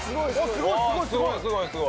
すごいすごいすごい！